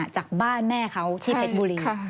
จากบ้านแม่เขาที่เพชรบุรี